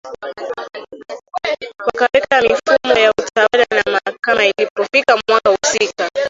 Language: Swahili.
Wakaweka mifumo ya utawala na mahakama ilipofika mwaka husika